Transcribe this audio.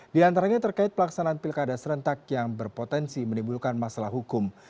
di antaranya terkait pelaksanaan pilkada serentak yang berpotensi menimbulkan masalah hukum